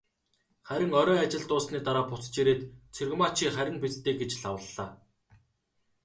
Харин орой ажил дууссаны дараа буцаж ирээд, "Цэрэгмаа чи харина биз дээ" гэж лавлалаа.